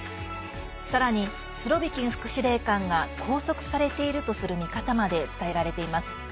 さらにスロビキン副司令官が拘束されているという見方も伝えています。